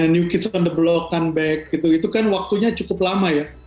new kids on the block comeback itu kan waktunya cukup lama ya